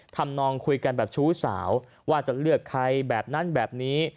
ทำนองคุยกันแบบชู้สาวว่าจะเลือกใครแบบนั้นแบบนี้